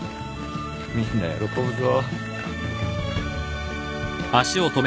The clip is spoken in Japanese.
みんな喜ぶぞ。